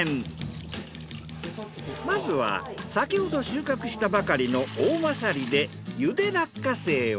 まずは先ほど収穫したばかりのおおまさりで茹で落花生を。